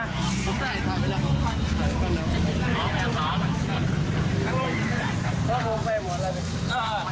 ซะบนไปหมดละดิ